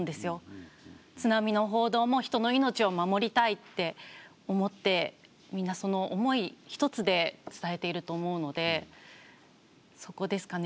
津波の報道も人の命を守りたいって思ってみんなその思い一つで伝えていると思うのでそこですかね。